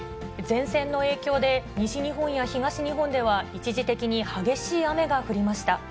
前線の影響で、西日本や東日本では一時的に激しい雨が降りました。